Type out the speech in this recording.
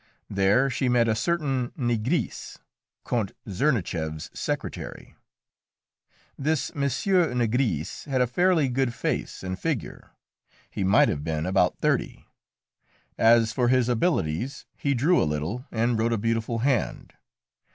There she met a certain Nigris, Count Czernicheff's secretary. This M. Nigris had a fairly good face and figure; he might have been about thirty. As for his abilities, he drew a little, and wrote a beautiful hand.